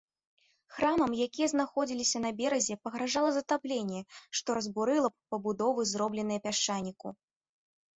Храмам, якія знаходзіліся на беразе, пагражала затапленне, што разбурыла б пабудовы зробленыя з пясчаніку.